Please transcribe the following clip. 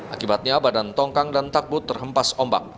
akibatnya badan tongkang dan takbut terhempas ombak